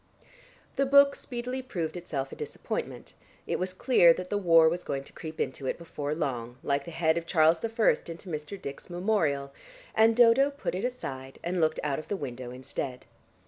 The book speedily proved itself a disappointment; it was clear that the war was going to creep into it before long, like the head of Charles I. into Mr. Dick's Memorial, and Dodo put it aside and looked out of the window instead.